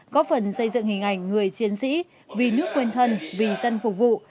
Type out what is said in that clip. có phần xây dựng hình ảnh người chiến sĩ vì nước quên thân vì dân phục vụ